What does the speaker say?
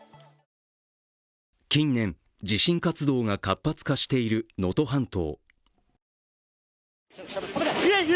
近年、地震活動が活発化している能登半島。